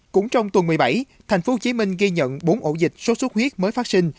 cũng trong tuần một mươi bảy thành phố hồ chí minh ghi nhận bốn ổ dịch sốt xuất huyết mới phát sinh